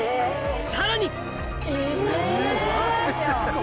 さらに！